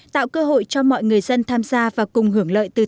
tạo cơ hội cho mọi người dân tham gia và cùng hưởng lợi từ tăng trường